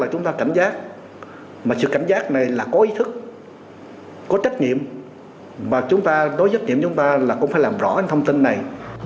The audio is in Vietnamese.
cũng là hành vi bị cấm theo quy định tại điều tám của luật an ninh mạng năm hai nghìn một mươi tám